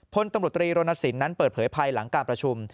พลตำรวจตรีรณสินนั้นเปิดเผยภายหลังการประชุม